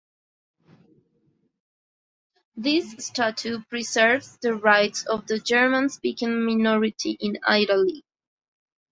This statute preserves the rights of the German-speaking minority in Italy.